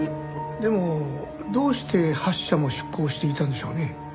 でもどうして８社も出向していたんでしょうね？